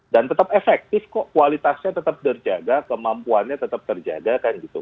dan tetap efektif kok kualitasnya tetap terjaga kemampuannya tetap terjaga kan gitu